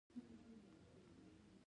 د بګرام هوا ښه ده